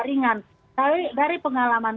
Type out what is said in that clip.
ringan tapi dari pengalaman